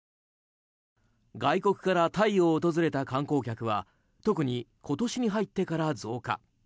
外国からタイを訪れた観光客は特に今年に入ってから増加。